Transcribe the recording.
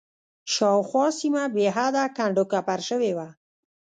شاوخوا سیمه بېحده کنډ و کپر شوې وه.